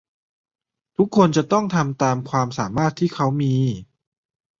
ทุกคนจะต้องทำตามความสามารถที่เขามี